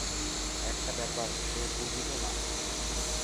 একটা ব্যাপার সে বুঝিত না।